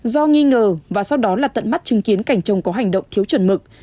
do nghi ngờ và sau đó là tận mắt chứng kiến cảnh chồng có hành động thiếu chuẩn mực